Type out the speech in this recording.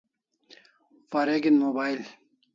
Wareg'in mobile